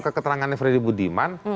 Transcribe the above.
ke keterangannya freddy budiman